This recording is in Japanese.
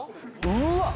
うわっ。